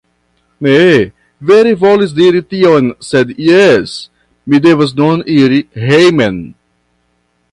Ne, vere volis diri tion sed jes, mi devas nun iri hejmen